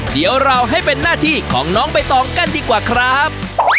เดี๋ยวเราให้เป็นหน้าที่ของน้องใบตองกันดีกว่าครับ